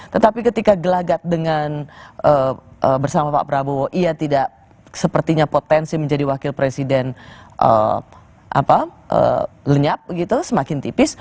tetapi ketika gelagat dengan bersama pak prabowo ia tidak sepertinya potensi menjadi wakil presiden lenyap gitu semakin tipis